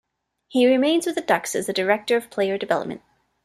He remains with the Ducks as the Director of Player Development.